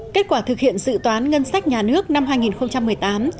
kết quả thực hiện dự toán ngân sách nhà nước năm hai nghìn một mươi tám